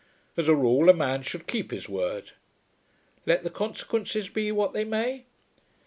As a rule a man should keep his word." "Let the consequences be what they may?"